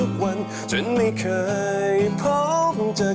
ก้าวเบื้องก้าว